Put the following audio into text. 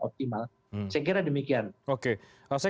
optimal saya kira demikian oke kalau saya